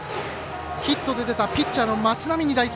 ヒットで出たピッチャーの松波に代走。